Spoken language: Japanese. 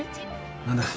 何だ？